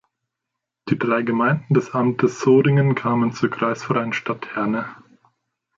Die drei Gemeinden des Amtes Sodingen kamen zur kreisfreien Stadt Herne.